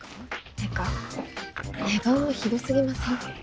てか寝顔ひどすぎません？